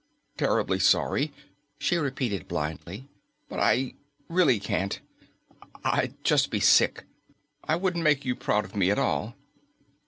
"Terribly sorry," she repeated blindly, "but I really can't. I'd just be sick. I wouldn't make you proud of me at all."